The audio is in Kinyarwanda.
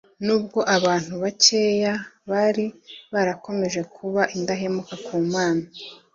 nubwo abantu bakeya bari barakomeje kuba indahemuka ku mana